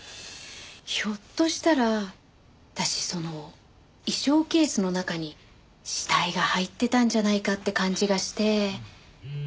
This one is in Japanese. ひょっとしたら私その衣装ケースの中に死体が入ってたんじゃないかって感じがして。